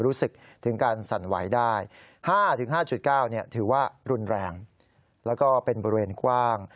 รู้สึกถึงการสั่นไหวได้๕๕๙ถือว่ารุนแรงแล้วก็เป็นบริเวณกว้าง